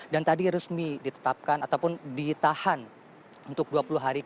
dan tadi resmi ditetapkan ataupun ditahan untuk dua puluh hari